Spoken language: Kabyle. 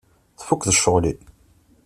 Tfukkeḍ ccɣel-im?